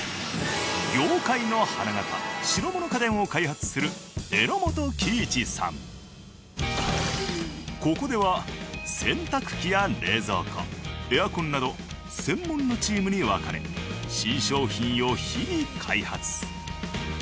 業界の花形白物家電を開発するここでは洗濯機や冷蔵庫エアコンなど専門のチームに分かれ新商品を日々開発。